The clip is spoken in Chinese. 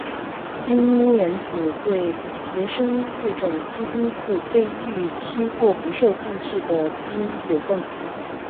基因污染指对原生物种基因库非预期或不受控制的基因流动。